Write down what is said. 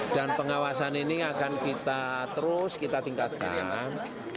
pengawasan ini akan kita terus kita tingkatkan